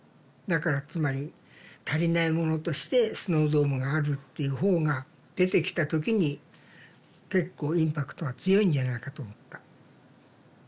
だからつまり足りないものとしてスノードームがあるっていう方が出てきた時に結構インパクトが強いんじゃないかと思った。